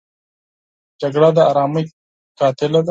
جګړه د آرامۍ قاتله ده